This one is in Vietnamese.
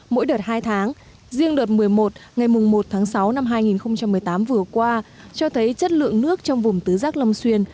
mỗi đợt hai tháng riêng đợt một mươi một ngày một tháng sáu năm hai nghìn một mươi tám vừa qua cho thấy chất lượng nước trong vùng tứ giác long xuyên